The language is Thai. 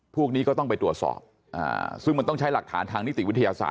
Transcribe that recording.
พวกนี้ก็ต้องไปตรวจสอบซึ่งมันต้องใช้หลักฐานทางนิติวิทยาศาส